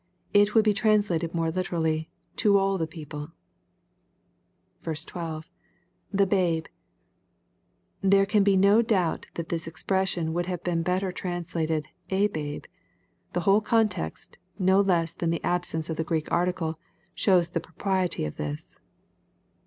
It would be translated more literally, " to all the people." 12. — [ITie hdbe.] There can be no doubt that this expression would have been better translated "a babe." The whole context, no less thftn the absence of the Greek article, shows the propriety oi' this.